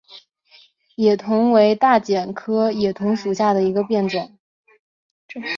野桐为大戟科野桐属下的一个变种。